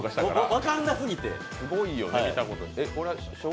分かんなすぎて。